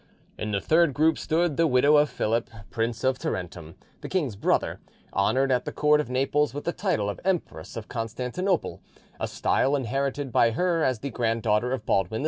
In the third group stood the widow of Philip, Prince of Tarentum, the king's brother, honoured at the court of Naples with the title of Empress of Constantinople, a style inherited by her as the granddaughter of Baldwin II.